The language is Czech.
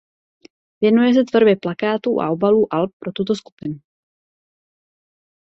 Věnuje se tvorbě plakátů a obalů alb pro tuto skupinu.